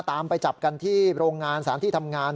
ตามไปจับกันที่โรงงานสถานที่ทำงาน